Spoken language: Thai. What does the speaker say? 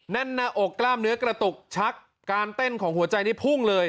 แน่นหน้าอกกล้ามเนื้อกระตุกชักการเต้นของหัวใจนี่พุ่งเลย